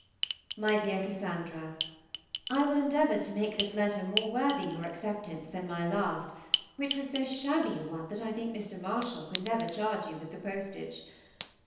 MY DEAR CASSANDRA, I will endeavor to make this letter more worthy your acceptance than my last, which was so shabby a one that I think Mr. Marshall could never charge you with the postage.